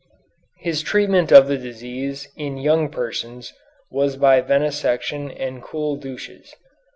His treatment of the disease in young persons was by venesection and cool douches.